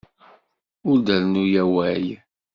Ur d-rennu awal!